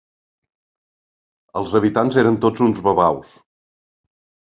Els habitants eren tots uns babaus.